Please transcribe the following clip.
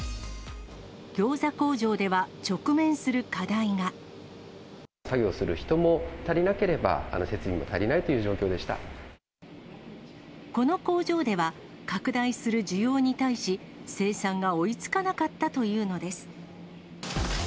ギョーザ工場では、直面する課題作業する人も足りなければ、この工場では、拡大する需要に対し、生産が追いつかなかったというのです。